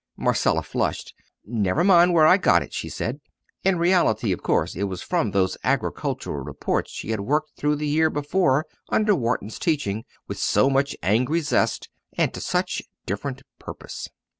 Marcella flushed. "Never mind where I got it!" she said. In reality, of course, it was from those Agricultural Reports she had worked through the year before under Wharton's teaching, with so much angry zest, and to such different purpose.